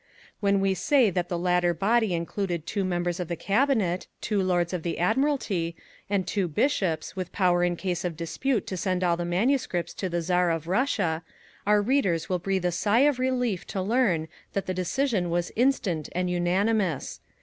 When we say that the latter body included two members of the Cabinet, two Lords of the Admiralty, and two bishops, with power in case of dispute to send all the MSS. to the Czar of Russia, our readers will breathe a sigh of relief to learn that the decision was instant and unanimous.